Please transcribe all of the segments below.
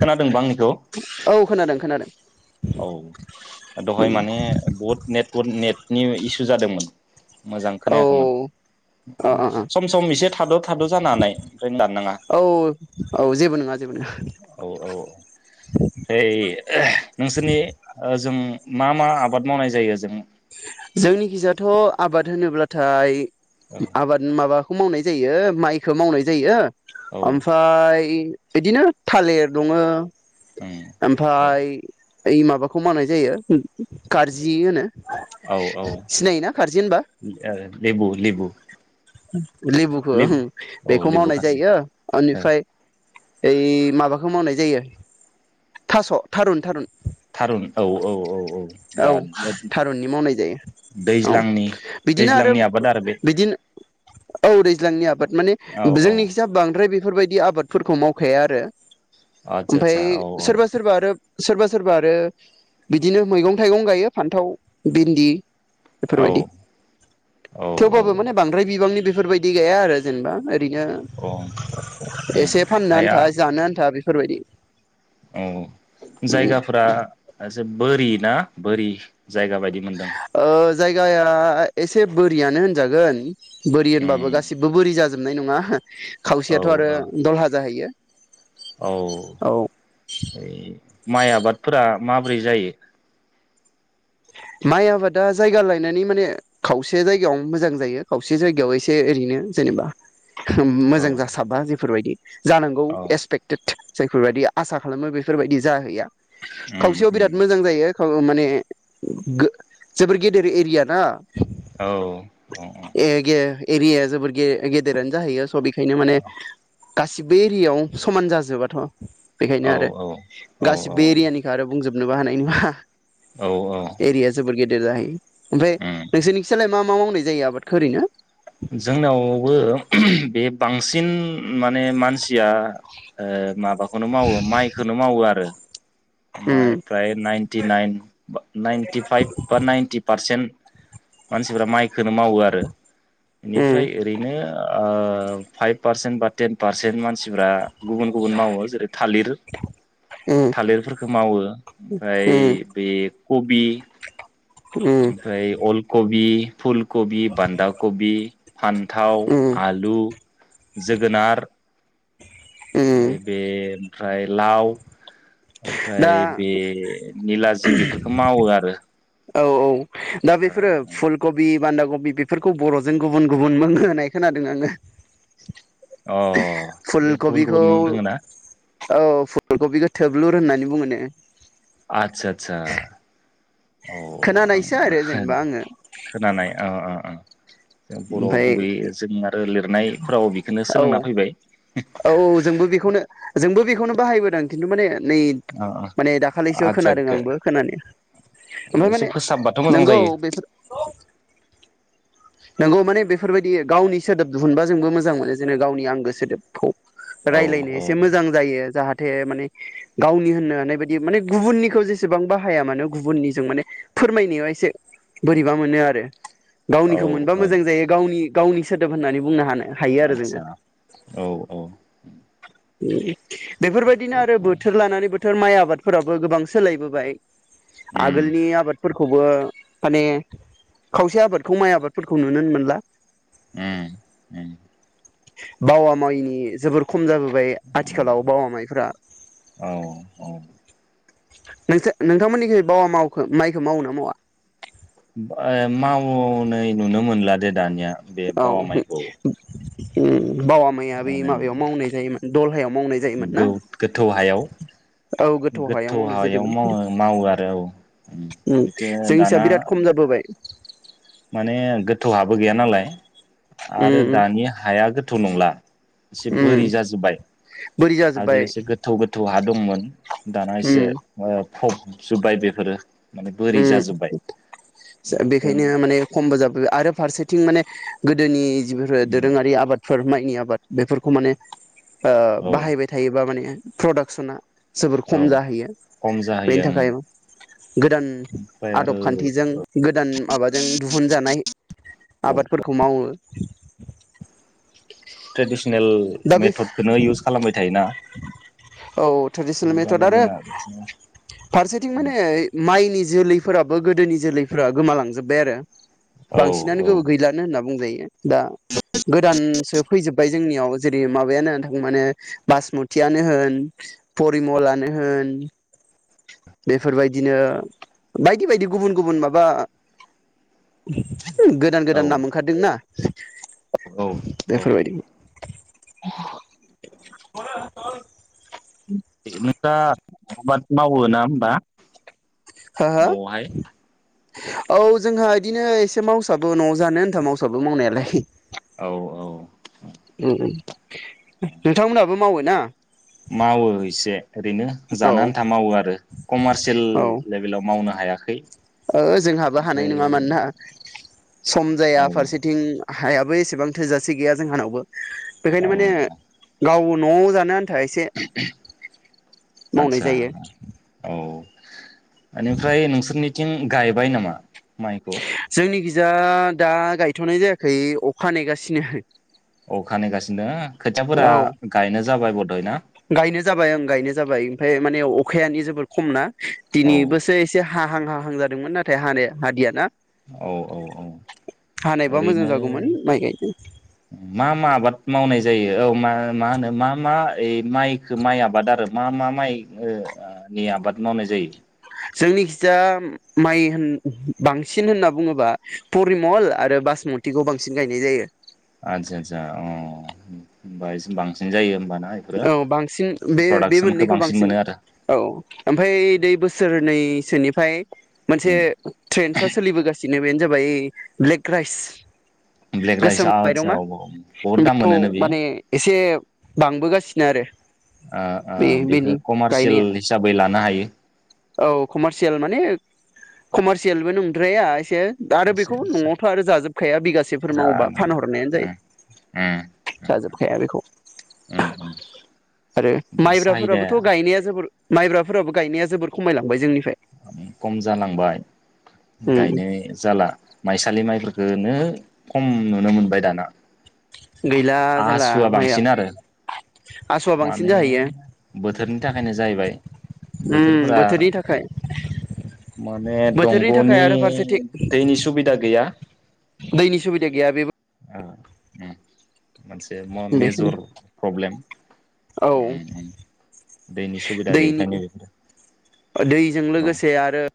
खोनादोंबा आंनिखौ औ खोनादों खोनादों औ दहाय माने बहुथ नेटवर्क नेट नि इसु जादोंमोन मोजां खोनायाखैमोन औ अ अ अ सम सम एसे थाद' थाद' जानोहानाय ओमफ्राय दाननाङा औ औ जेबो नङा जेबो नङा औ औ ओमफ्राय नोंसोरनि होजों मा मा आबाद मावनाय जायो होजों जोंनिखिजाथ' आबाद होनोब्लाथाय औ आबाद माबा खौ मावनाय जायो माइखौ मावनाय जायो औ ओमफ्राय बिदिनो थालिर दङ उम ओमफ्राय ओइ माबाखौ मावनाय जायो खारजि होनो औ औ सिनायोना खारजि होनबा लेबु लेबु [inaudible] लेबुखौ ओं लेबु औ बेखौ लेबु मावनाय खारजि जायो ओ ओनिफ्राय ओइ माबाखौ मावनाय जायो थास' थारुन थारुन थारुन औ औ औ औ दा थारुननि मावनाय जायो औ दैज्लांनि बिदिनो आरो दैज्लांनि आबाद बे बिदिनो औ दैज्लांनि आबाद माने औ औ जोंनिखैजाय बांद्राय बे बेफोरबायदि आबादफोरखौ मावखाया आरो आदसा ओमफ्राय आदसा औ सोरबा औ सोरबा आरो सोरबा सोरबा आरो बिदिनो मैगं थाइगं गायो फान्थाव भिन्दि बेफोरबायदि औ औ थेवबाबो औ माने बांद्राय बिबांनि बे फोरबायदि गाया आरो जेनेबा ओरैनो औ उम एसे फाननो हाया आन्था जानो आन्था बे बेफोरबायदि औ जायगाफोरा एसे बोरि ना बोरि जायगा बायदि मोनदों ओ जायगाया एसे बोरियानो होनजागोन बोरि होनबाबो उम गासिबो बोरि जा जोबनाय नङा औ खावसेयाथ' आरो औ दलहा जाहैयो औ औ माइ आबादफोरा माबोरै जायो माइ आबादा जायगा लायनानै माने खावसे जायगायावनो मोजां जायो खावसे जायगायाव एसे ओरैनो जेनेबा मोजां औ जासाबा बेफोरबायदि जानांगौ औ एसपेक्टेड जायफोरबायदि आसा खालामो बेफोरबायदि जाहैया उम खावसेयाव उम बिराद मोजां जायो खौ माने जोबोर गेदेर एरिया ना औ औ औ एरियाया जोबोर गेदेरानो जाहैयो स' बेखायनो माने गासिबो एरियायाव समान जाजोबाथ' बेखायनो औ आरो गासिबो औ एरियानिखौ आरो बुंजोब नोबो हानाय नङा औ औ एरिया जोबोर गेदेर जाहैयो ओमफ्राय उम नोंसोरनिखि सालाय मा मा मावनाय जायो आबादखौ ओरैनो जोंनावबो बे बांसिन माने मानसिया माबाखौ खौनो मावो माइखौनो मावो आरो ओमफ्राय फ्राय नाइटिनाइन नाइनटि फाइभ बा नाइनटि पारसेन्ट मानसिफ्रा माइखौनो मावो आरो उम बेनिफ्राय ओरैनो फाइभ पारसेन्ट बा टेन पारसेन्ट मानसिफ्रा गुबुन गुबुन मावो जेरै थालिर उम थालिरफोर बेखौ मावो ओमफ्राय उम बे खबि उम ओमफ्राय अल कबि फुलकबि बान्धा कबि फान्थाव उम आलु जोगोनार उम ओमफ्राय बे ओमफ्राय लाव दा ओमफ्राय बे निलाजि बेफोरखौ मावो आरो औ औ दा बेफोरो फुलकबि बान्दाागबि बेफोरखौ बर'जों गुबुन गुबुन मुं होनाय खोनादों आङो अ बे गुबुन फुलकबिखौ गुबुन मुं दङ ना। औ फुलकबिखौ थोबलुर होननानै बुङो नो। आदसा आदसा औ खोनानायसो आरो आं जेनेबा आङो अ बर'आव ओमफाय गुबै जों आरो। लिरनायफोराव बेखौनो औ सोलोंना फैबाय औ जोंबो बेखौनो जोंबो बेखौनो बाहायबोदोंं खिथु माने नै ओ ओ माने दाखालिसो आदसा खोनादों गो- आंबो खोनानाय ओमफ्राय एसे माने फोसाबबाथ' मोजां नोंगौ जायो बेफोर नोंगौ माने बेफोरबायदि गावनि सोदोब दिहुनबा जोंबो मोजां मोनो जेननो गावनि आंगो सोदोबखौ औ रायजलायनो औ एसे मोजां जायो जाहाथे। जाहाथे माने गावनि होननो हानाय बायदि माने गुबुननिखौ जेसेबां बाहाया मानो गुबुननिजों माने फोरमायनायाव एसे बोरैबा मोनो आरो। औ मोनबा औ मोजां जायो गावनि गावनि सोदोब होननानै बुंनो हानाय। आतसा औ औ। [unintelligible] बेफोरबायदिनो आरो बोथोर लानानै बोथोर। बोथोर माइ आबादफोराबो गोबां सोलायबोबाय उम आगोलनि आबादफोर खौबो माने खावसे आबादखौ माइ आबाद फोरखौ नुनो मोनला। ओम ओम बावा माइनि जोबोर खम खम जाबोबाय उम आथिखालाव बावा माइफ्रा औ औ नोंसो नोंथांमोननिखै बावा मावखो माइखौ मावो ना मावा ओ मावनाय नुनो मोनला दे दानिया बे औ बावा हो- माइखौ ओम बावा माइया बै माबायाव मावनाय जायोमोन। दलहायाव मावनाय जायोमोन ना गौ गोथौ हायाव औ गोथौ मावनाय हायाव जादोंमोन मावो खिन्थु मावो आरो औ उम बेखौ जोंनिसा दाना बिराद खम जाबोबाय माने गोथौहाबो गैया नालाय। आरो उम दानि हाया गोथ गोथौ नंला। एसे उम बोरि जाजोबबाय बोरि जाजोब्बाय आगोल एसे गोथौ गोथौ। आदोममोन दाना एसे उम ओ फबजोब्बाय बे आरो ओम बेफोरखौ बेखायनो माने खमबो जाबोबार आरो फारसेथिं माने गोदोनि फोर दोरोङारि आबादफोर माइनि आबाद बेफोरखौ माने ओ औ बाहायबाय थायोबा माने प्रडाक्सना जोबोर खम औ जाहैयो खम बेनि जाहैयो ओं थाखाय गोदान ओमफ्राय आदब आरो खान्थिजों गोदान माबा जों दिहुनजानाय आबादफोरखौ मावो [inaudible] ट्रेडिस दा बे थायोना औ ट्रेडिसनेल दा मेथड आरो जोंहा फारसेथिं माने माइनि जोलै फोराबो गोदोनि जोलैफ्रा गोमालांजोब्बाय आरो। औ बांसिनानो गोबो गैलानो होनना बुंजायो। ए दा गोदानसो फैजोब्बाय जोंनियाव जेरै माबायानो होन थाङ माने बासमतियानो होन परिमलानो होन बेफोरबायदिनो बायदि बायदि गुबुन गुबुन माबा उम गोदान औ गोदान नाम ओंखारदों ना। औ औ [inaudible] [unintelligible] आबाद मावो ना होमबा। हो न' हो आवहाय औ जोंहा इदिनो एसे मावसाबो न'आव जानो आनथा मावसाबो मावनायालाय औ औ उम उम नोंथांमोनहाबो मावो ना? मावो इसे ओरैनो जानो औ आन्था मावो आरो कमारसियेल औ लेभेलाव मावनो हा हायाखै ओ जोंहाबो हानाय ओमफ्राय नङा मानना सम जाया औ फारसेथिं हायाबो एसेबां थोजासे गैया जोंहानावबो बेखायनो औ माने गाव न'आव जानो आन था एसे मावनाय जायो ओनिफ्राय नोंसोरनिथिं गायबाय नामा माइखौ जा दा गायथ'नाय जायाखै अखा नेगासिनो अखा नेगासिनो खोथियाफोरा औ गायनो जाबाय बद'य ना गायनो जाबाय ओं गायनो जाबाय ओमफाय माने अखायानो जोबोर खम ना औ दिनि बोसो एसे हा हाहां हाहां जादोंमोन नाथाय हानाय हादिया ना औ औ औ हानायबा मोजां ओरैनो जागौमोन माइ गायनो मा मा आबाद मावनाय जायो औ मा मा होनो मा मा ओइ माइखो माइ आबाद आरो मा मा माइनि ओ आ नि आबाद मावनाय जायो जोंनि खिजा माइ होन बांसिन होनना बुङोबा परिमल आरो बासमथिखौ बांसिन गायनाय जायो आदसा आदसा अ होमबा बांसिन जायो होमबा औ बांसिन बे बे मोननैखौ बांसिन मोनो आरो औ ओमफ्राय दै बोसोरनै सोनिफ्राय मोनसे उम ट्रेन्साव सोलिबोगासि नैबेनो जाबाय ब्लेक राइस ब्लेक राइस गोसोम माइरङा आदसा औ बहुद दाम बेखौ मोनोनो बेयो माने एसे बांबोगा सिनो आरो ओ ओ बे बेनि बेखौ कमारसियेल गायनाया हिसाबै लानो हायो औ कमारसियेल माने कमारसियेलबो नंद्राया एसे आरो बेखौ एसे न'आवथ' आरो जाजोबखाया बिगासेफोर मावोबा जानो फानहरनायानो जायो जाजोबखाया बेखौ उम उम उम आरो बे माइब्राफोराबोथ' साहिदाया गायनाया जोबोर माइब्राफोराबो गायनाया जोबोर खमायलांबाय जोंनि खम जालांबाय उम गायनाय जाला माइसा लि माइफोरखौनो खम नुनो मोनबाय दाना गैला जाला आासुवा माइआ बांसिन आरो आसुआ बांसिन माने जाहैयो बोथोरनि थाखायनो जाहैबाय उम बोथोरफोरा बोथोरनि थाखाय माने बोथोरनि थाखाय आरो फारसेथिं दंग'नि दैनि सुबिदा गैया दैनि सुबिदा गैया बेबो औ उम मोनसे बेखायनो मेजर प्रब्लेम औ उम उम दैनि सुबिदा गैयखायनो बेफोर जों लोगोसे आरो।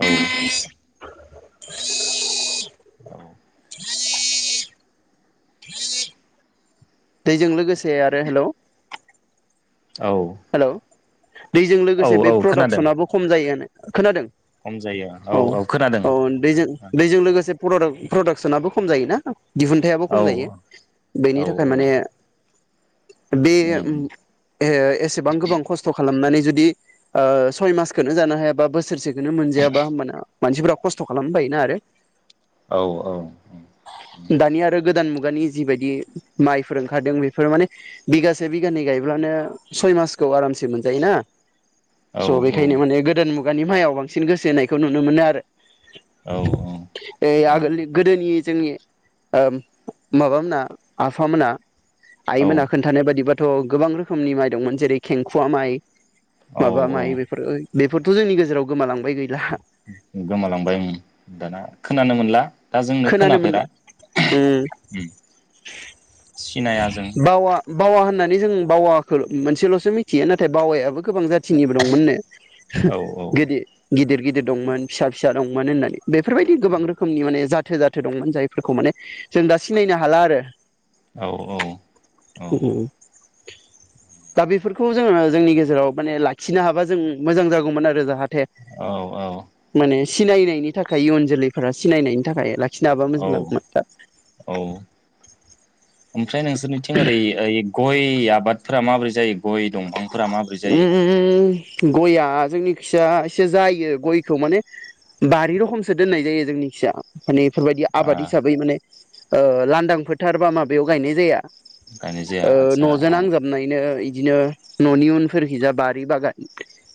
औ [inaudible] औ दैजों लोगोसे आरो हेल' औ दैजों औ लोगोसे औ बे खोनादों प्रडाक्सनाबो खम जायोआनो। खोनादों खम जायो औ खोनादों औ दैजों दैजों लोगोसे। प प्रडाक्सनाबो खम जायो ना? दिहुनथायाइाबो औ खम जायो औ बेनि थाखाय माने बे एसे एसेबां गोबां खस्थ' खालामनानै जुदि ओ सय मासखौनो जानो हायाबा बोसोरसेखौनो मोनजायाबा होमबाना मानसिफोरा खस्थ' खालामनो बायोना आरो। औ औ खुगानि जिबायदि माइफोर ओंखारदों बेफोर माने बिघासे बिगानै गायब्लानो सय मासखौ आरामसे मोनजायो ना- औ स' औ बेखायनो माने गोदान मु गानि मायाव बांसिन गोसो होनायखौ नुनो मोनो आरो। औ ए आगोलनि गोदोनि जोंनि ओम माबामोना आफामोना औ आइमोना खोनथानाय बायदिबा थ' गोबां रोखोमनि माइ दंमोन जेरै खेंखुवा माइ औ माबा माइ औ बेफोरो बेफोरथ' जोंनि गेजेराव गोमालांबाय गैला गोमालांबाय उम दाना खोनानो मोनला दा जोंनो खोनानो खोनाफेरा मोनला उम उ सिनाया जों बावा बावा होननानै जों बावाखौ मोनसेल'सो मिथियो नाथाय बावायाबो। गोबां जाथिनिबो दंमोननो औ गोदो। गिदिर गिदिर दंमोन फिसा फिसा दंमोन होननानै बेफोरबायदि गोबां रोखोमनि माने जादनि जाथो जाथो दंमोन जायफोरखौ माने जों दा सिनायनो हाला आरो। औ औ उ दा बेफोरखौ जोङो जोंनि गेजेराव माने लाखिनो हाबा जों मोजां जागौमोन आरो जाहा। थे औ माने सिनायनायनि थाखाय इयुन जोलैफोरा सिनायनायनि थाखाय ला खिनोहाबा औ मोजां जागौमोन दा। औ ओमफ्राय नोंसोरनिथिं ओरै ओरै गय आबादफोरा माबोरै जायो गय दंफांफोरा माबोरै उ जायो गया जोंनि खियसा एसे जायो गयखौ माने बारि रखमसो दोननाय जायो जोंनि खियसा माने बेफोरबायदि आबाद ओ हिसाबै माने ओ लांदां फोथार बा माबायाव गायनाय जाया गायनाय जाया ओ आदसा न'जों अ नांजाबनायनो। बिदिनो न'नि उनफोरखिजा बारि बागान।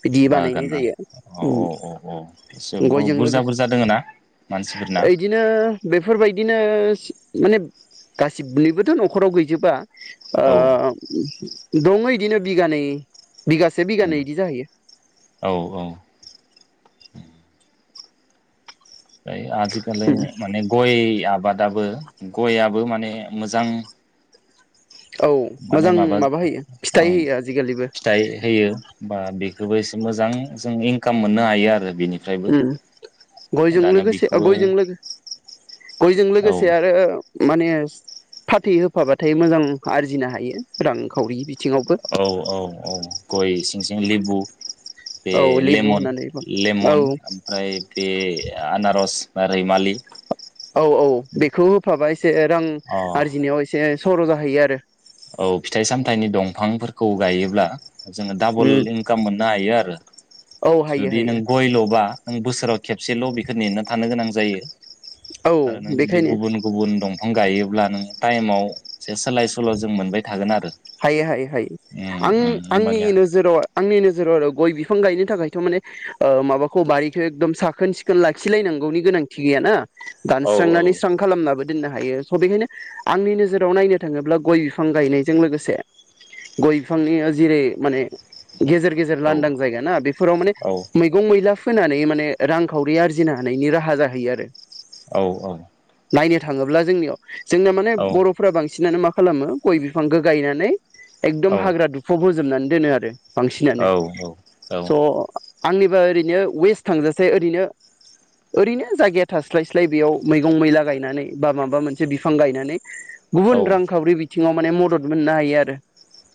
बिदि बानायनाय बागाना जायो अ अ अ अ एसेबो गयजों बुरजा लोगोसे बुरजा दोङो ना मानसिफोरना दिनो माने गासिबनिबोथ' न'खराव गैजोबा। ओ औ उमहु दङो इदिनो बिगानै बिगासे औ बिगानै इदि जाहैयो। औ औ [inaudible] फ्राय आजिखालि माने गय आब बादाबो गयआबो माने मोजां। औ मोजां माबा होयो फिथाइ ओं होयो आजिखालिबो जोबो एसे मोजां जों इंकाम मोननो हायो आरो। बेनिफ्रायबो उम गय जों दानिया लोगोसे ओ बेखौबो बयजों लोगो। गयजों औ लोगोसे आरो। माने फाथै होफाबाथाय मोजां आरजिनो हायो रांखावरि बि औ औ औ गयस सिं सिं लेबु बे औ लेबु लेमन होनानै औ लेमन ओमफ्राय बे आनारस बा रैमालि औ औ बेखौ होफाबा एसे रां अ आरजिनायाव एसे सर' जाहैयो आरो। औ फिथाइ सामथायाइनि दंफांफोरखौ गायोब्ला। जोङो डाबल उम इंकाम मोननो हायो आरो औ हायो जुदि नों हायो गय ल'बा आं बोसोराव खेबसेल' बेखो नेना थानो गोनां जायो। औ आरो नों जुदि बेखायनो गुबुन गुबुन दं। फां गायोब्ला नों टाइमाव एसे सोलाय सोल' जों मोनबाय थागोन आरो। हायो हायो हायो उम आं उम आंनि होमबानिया नोजोराव आंनि नोजोराव आरो गय बिफ फां गायनो थाखायथ' माने ओ माबाखौ बारिखो एकदम साखोन सिखोन लाखिलायनांगौनि गोनांथि गैयाना। औ दानस्रांनानै स्रां खालामनाबो। दोननो हायो स' बेखायनो आंनि नोजोराव नायनो थाङोब्ला गय बिफां गायनायजों लोगोस से गय बिफांनि जेरै माने गेजेर गेजेर औ लांनदां जायगा ना बेफोराव माने औ मैगं मैलाफ फोनानै माने रांखावरि आरजिनो हानायनि राहा जाहैयो आरो। औ औ नायनो थाङोब्ला जोंनियाव। जोंनिया माने बर'फोरा बां। सिनानो मा खालामो गय बिफांखौ गायनानै एकदम हाग्रा दुफौ हो जोबनानै दोनो आरो। बांसिनानो स'। आंनिबा ओरैनो वेस्ट थांजासे ओरैनो ओरैनो जायगाया थास्लाय स्लाय बेयाव मैगं मैला गायनानै बा माबा मोनसे बिफां गायनानै गुबुन औ रांखावरि बिथिङाव माने मदद मोननो हायो आरो।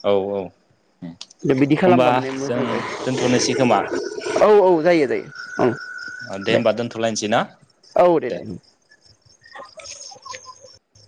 औ औ दा बिदि होनबा खालामबा माने जों मोजां जायो दोनथ'नोसै खोमा? औ औ जायो जायो। ओं दे होमबा दोनथ'लायसै ना दे? [inaudible]